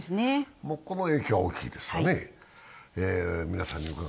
この影響は大きいですよね。